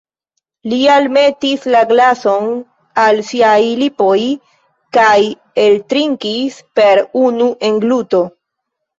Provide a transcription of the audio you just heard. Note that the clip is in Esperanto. Li almetis la glason al siaj lipoj, kaj eltrinkis per unu engluto.